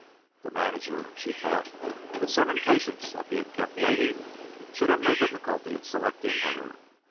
The manager, she thought, with some impatience at being kept waiting, should have no difficulty in selecting her.